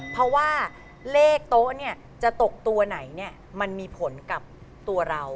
เพราะว่าเลขโต๊ะเนี่ยจะตกตัวไหนมันมีผลกับตัวเรา